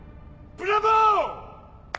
ブラボー！